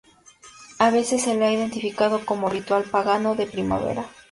A veces se la ha identificado como ritual "pagano" de primavera.